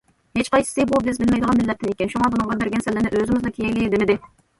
ھېچقايسىسى بۇ بىز بىلمەيدىغان مىللەتتىن ئىكەن، شۇڭا بۇنىڭغا بەرگەن سەللىنى ئۆزىمىزلا كىيەيلى، دېمىدى.